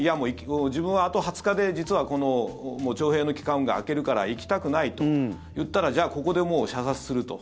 自分は、あと２０日で徴兵の期間が明けるから行きたくないと言ったらじゃあ、ここでもう射殺すると。